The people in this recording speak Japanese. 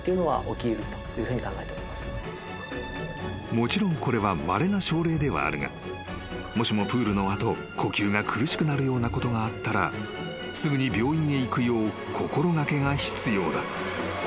［もちろんこれはまれな症例ではあるがもしもプールの後呼吸が苦しくなるようなことがあったらすぐに病院へ行くよう心掛けが必要だ］